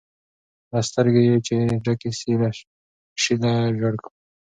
لکه سترګي چي یې ډکي سي له ژرګو